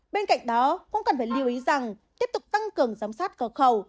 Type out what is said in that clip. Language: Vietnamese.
bên cạnh đó cũng cần phải lưu ý rằng tiếp tục tăng cường giám sát cờ khẩu